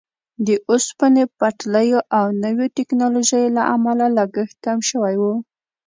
د اوسپنې پټلیو او نویو ټیکنالوژیو له امله لګښت کم شوی وو.